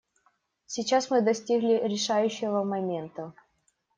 Сейчас мы достигли решающего момента.